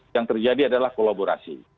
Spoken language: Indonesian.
yang terjadi adalah kolaborasi